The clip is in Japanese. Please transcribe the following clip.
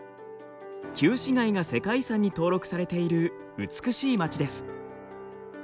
旧市街が世界遺産に登録されている美しい街です。